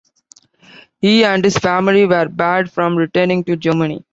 He and his family were barred from returning to Germany.